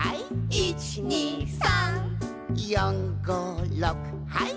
「１２３」「４５６はい」